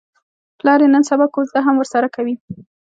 پلار یې نن سبا کوزده هم ورسره کوي.